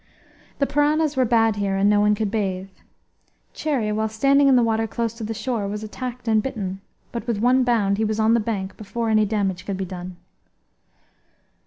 The piranhas were bad here, and no one could bathe. Cherrie, while standing in the water close to the shore, was attacked and bitten; but with one bound he was on the bank before any damage could be done.